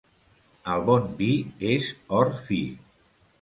El bon vi és or fi.